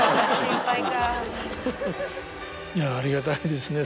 いやありがたいですね